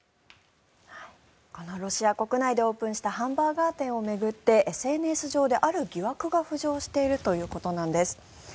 このロシア国内でオープンしたハンバーガー店を巡ってＳＮＳ上で、ある疑惑が浮上しているということです。